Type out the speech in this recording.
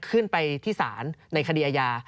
ขึ้นไปที่ศาลในคดีอาญา